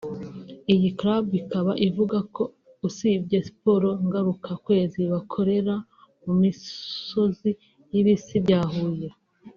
Iyi club ikaba ivuga ko usibye siporo ngarukakwezi bakorera mu misozi y’ibisi bya Huye